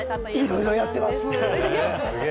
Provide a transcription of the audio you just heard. いろいろやっています。